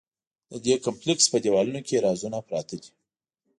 د دې کمپلېکس په دیوالونو کې رازونه پراته دي.